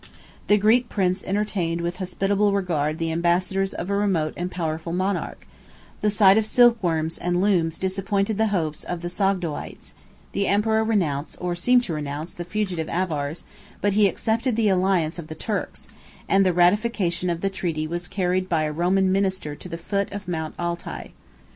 The Greek prince entertained with hospitable regard the ambassadors of a remote and powerful monarch: the sight of silk worms and looms disappointed the hopes of the Sogdoites; the emperor renounced, or seemed to renounce, the fugitive Avars, but he accepted the alliance of the Turks; and the ratification of the treaty was carried by a Roman minister to the foot of Mount Altai.